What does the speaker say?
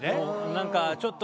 何かちょっと。